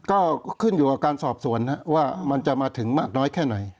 ก็ขึ้นอยู่กับการสอบสวนว่ามันจะมาถึงมากน้อยแค่ไหน